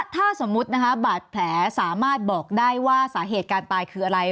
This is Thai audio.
ถ้าสมมุตินะคะบาดแผลสามารถบอกได้ว่าสาเหตุการตายคืออะไร